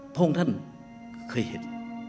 พระองค์ท่านเคยเห็น